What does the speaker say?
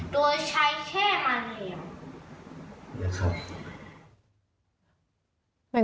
โดยใช้แช่มันเหลว